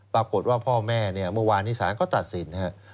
ปรากฏว่าพ่อแม่เนี่ยเมื่อวานนี้ศาลก็ตัดสินฮะ